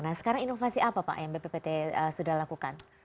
nah sekarang inovasi apa pak yang bppt sudah lakukan